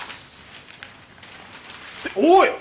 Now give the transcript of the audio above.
っておい！